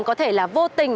có thể là vô tình